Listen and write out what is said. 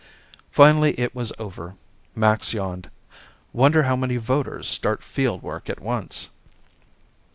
Finally it was over. Max yawned. "Wonder how many voters start field work at once."